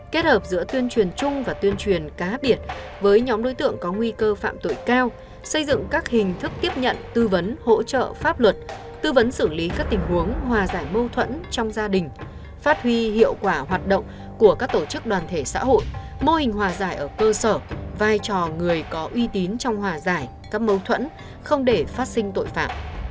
kết hợp giữa tuyên truyền chung và tuyên truyền cá biệt với nhóm đối tượng có nguy cơ phạm tội cao xây dựng các hình thức tiếp nhận tư vấn hỗ trợ pháp luật tư vấn xử lý các tình huống hòa giải mâu thuẫn trong gia đình phát huy hiệu quả hoạt động của các tổ chức đoàn thể xã hội mô hình hòa giải ở cơ sở vai trò người có uy tín trong hòa giải cấp mâu thuẫn không để phát sinh tội phạm